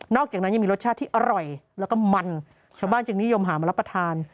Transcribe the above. อกจากนั้นยังมีรสชาติที่อร่อยแล้วก็มันชาวบ้านจึงนิยมหามารับประทาน